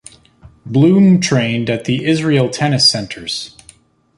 Bloom trained at the Israel Tennis Centers.